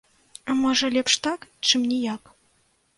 А можа лепш так, чым ніяк?